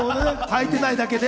履いてないだけで？